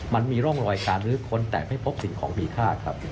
มันมีร่องรอยการลื้อค้นแต่ไม่พบสิ่งของมีค่าครับ